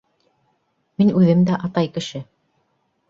Мин үҙем дә атай кеше.